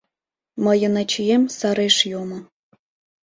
Мыйын ачием сареш йомо